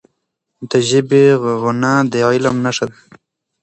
د ژبي غنا د علم نښه ده.